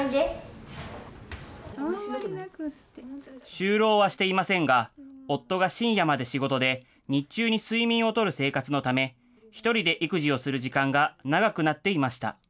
就労はしていませんが、夫が深夜まで仕事で、日中に睡眠をとる生活のため、１人で育児をする時間が長くなっていました。